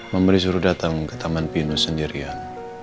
mama disuruh datang ke taman pino sendirian